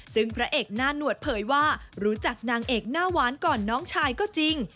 ซึ่งพระเอกหน้าหนวดเผยว่ารู้จักนางเอกหน้าหวานก่อนน้องชายก็จริง